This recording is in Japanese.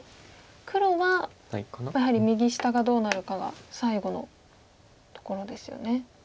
黒はやはり右下がどうなるかが最後のところですよね。